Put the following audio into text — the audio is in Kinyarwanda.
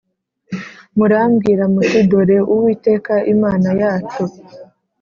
Murambwira muti dore uwiteka imana yacu